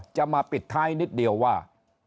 จะมาปิดท้ายนิดเดียวว่า